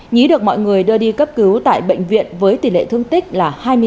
nhí được mọi người đưa đi cấp cứu tại bệnh viện với tỷ lệ thương tích là hai mươi chín